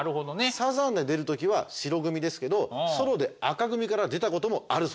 サザンで出る時は白組ですけどソロで紅組から出たこともあるそうなんですよ。